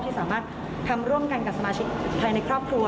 สามารถทำร่วมกันกับสมาชิกภายในครอบครัว